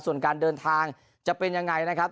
ส่วนการเดินทางจะเป็นยังไงนะครับ